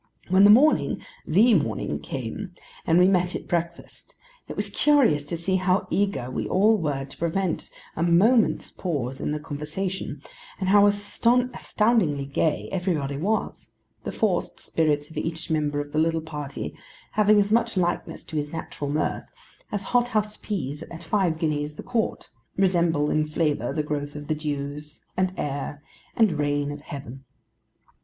When the morning—the morning—came, and we met at breakfast, it was curious to see how eager we all were to prevent a moment's pause in the conversation, and how astoundingly gay everybody was: the forced spirits of each member of the little party having as much likeness to his natural mirth, as hot house peas at five guineas the quart, resemble in flavour the growth of the dews, and air, and rain of Heaven.